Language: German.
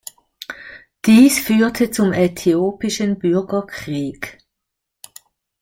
Dies führte zum Äthiopischen Bürgerkrieg.